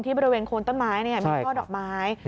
บริเวณโคนต้นไม้มีช่อดอกไม้